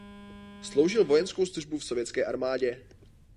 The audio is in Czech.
Sloužil vojenskou službu v sovětské armádě.